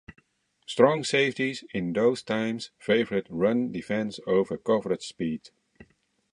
Strong safeties in those times favored run defense over coverage speed.